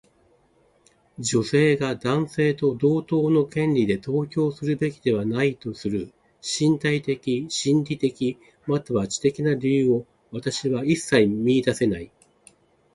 女性が男性と同等の権利で投票するべきではないとする身体的、心理的、または知的な理由を私は一切見いだせない。